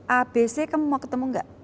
abc kamu mau ketemu gak